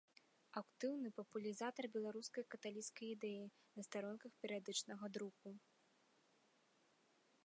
Актыўны папулярызатар беларускай каталіцкай ідэі на старонках перыядычнага друку.